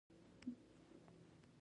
دوی د لمریزې انرژۍ ملاتړ کوي.